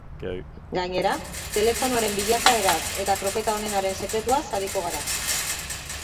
Gainera, telefonoaren bilakaeraz eta kroketa onenaren sekretuaz ariko gara.